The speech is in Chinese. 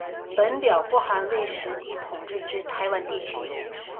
本表不含未实际统治之台湾地区。